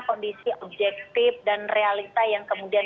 kondisi objektif dan realita yang kemudian